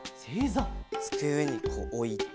つくえにこうおいて。